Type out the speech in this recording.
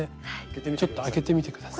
ちょっと開けてみて下さい。